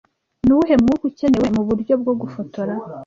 Ni uwuhe mwuka ukenewe muburyo bwo gufotora